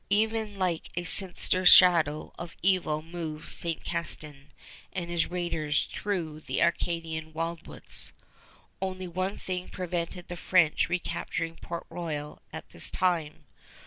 Ever like a sinister shadow of evil moved St. Castin and his raiders through the Acadian wildwoods. Only one thing prevented the French recapturing Port Royal at this time.